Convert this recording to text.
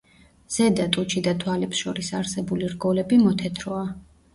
ზედა ტუჩი და თვალებს შორის არსებული რგოლები მოთეთროა.